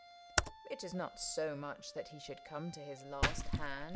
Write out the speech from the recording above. It is not So much that he should come to his last hand.